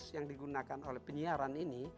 yang digunakan oleh penyiaran ini